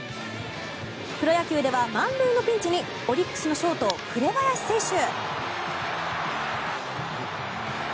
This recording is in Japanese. プロ野球では満塁のピンチにオリックスのショート紅林選手。